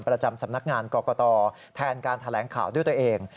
ประจำสำนักงานกรกตแทนการแถลงข่าวด้วยตัวเอง